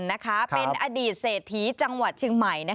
นะคะเป็นอดีตเศรษฐีจังหวัดเชียงใหม่